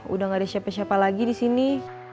udah gak ada siapa siapa lagi di sini